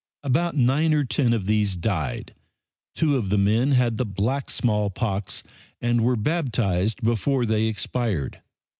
About nine or ten of these died. Two of the men had the black smallpox, and were baptized before they expired.